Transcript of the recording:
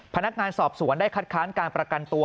พนักงานสอบสวนได้คัดค้านการประกันตัว